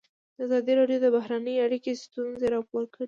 ازادي راډیو د بهرنۍ اړیکې ستونزې راپور کړي.